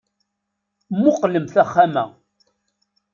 Mmuqqlemt axxam-a.